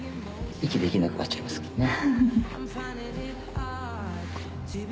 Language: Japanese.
息できなくなっちゃいますからね。